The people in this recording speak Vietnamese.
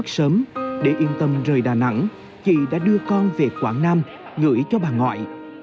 khi mình rời đà nẵng chị đã đưa con về quảng nam gửi cho bà ngoại